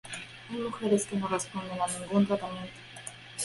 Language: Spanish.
Hay mujeres que no responden a ningún tratamiento.